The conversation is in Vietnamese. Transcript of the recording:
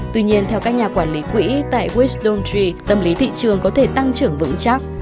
tuy nhiên theo các nhà quản lý quỹ tại wis dontry tâm lý thị trường có thể tăng trưởng vững chắc